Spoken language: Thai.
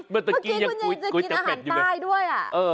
เมื่อกี้กูจะกินอาหารใต้ด้วย